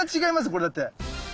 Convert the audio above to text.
これだって。